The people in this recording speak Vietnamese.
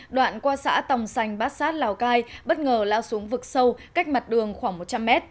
đoạn qua xã tòng sành bát sát lào cai bất ngờ lao xuống vực sâu cách mặt đường khoảng một trăm linh m